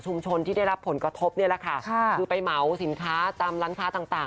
ชุมชนที่ได้รับผลกระทบหรือไปเหมาสินค้าตามร้านค้าต่าง